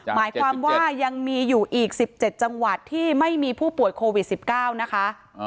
หมายความว่ายังมีอยู่อีก๑๗จังหวัดที่ไม่มีผู้ป่วยโควิด๑๙นะคะ